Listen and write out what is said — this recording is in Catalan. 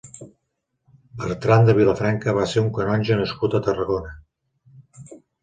Bertran de Vilafranca va ser un canonge nascut a Tarragona.